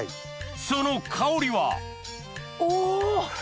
その香りは？お！